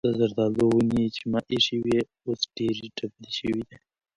د زردالو ونې چې ما ایښې وې اوس ډېرې ډبلې شوې دي.